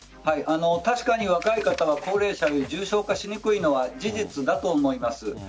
確かに若い方は高齢者より重症化しにくいのは事実だと思います。